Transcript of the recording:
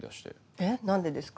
えっ何でですか？